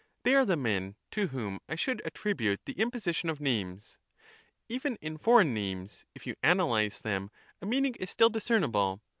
They are the men to whom I should attribute the imposition of names. Even in foreign names, if you analyze them, a meaning is still discernible.